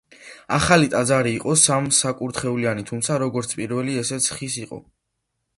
ახალი ტაძარი იყო სამსაკურთხევლიანი, თუმცა, როგორც პირველი, ესეც ხის იყო.